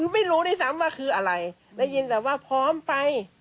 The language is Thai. ไม่รู้ด้วยซ้ำว่าคืออะไรได้ยินแต่ว่าพร้อมไป